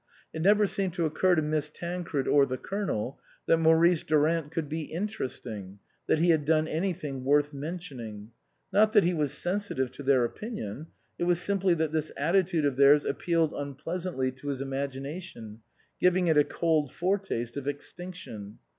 It never seemed to occur to Miss Tancred or the Colonel that Maurice Durant could be interesting, that he had done anything worth mentioning. Not that he was sensitive to their opinion, it was simply that this attitude of theirs appealed unpleasantly to his imagination, giving it a cold foretaste of extinction.